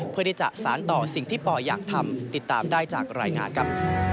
เพื่อที่จะสารต่อสิ่งที่ปออยากทำติดตามได้จากรายงานครับ